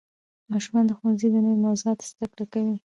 ماشومان د ښوونځي د نوې موضوعاتو زده کړه کوي